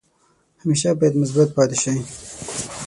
همیشه باید مثبت پاتې شئ.